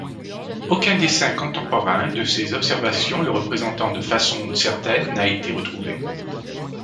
Aucun dessin contemporain de ses observations le représentant de façon certaine n'a été retrouvé.